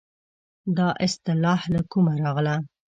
دا اصطلاح له کومه راغله.